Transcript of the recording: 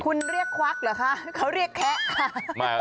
คุณเรียกควักเหรอคะเขาเรียกแคะ